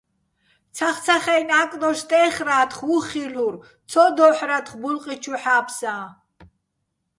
ცახცახა́ჲნო ა́კდოშ სტე́ხრა́თხ, უხ ხილ'ურ, ცო დო́ჰ̦რათხო ბულყი ჩუ ჰ̦ა́ფსაჼ.